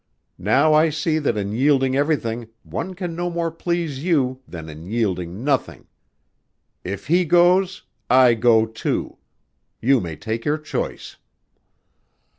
Now I see that in yielding everything one can no more please you than in yielding nothing. If he goes, I go, too. You may take your choice."